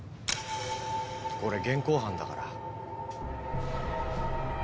これ現行犯だから。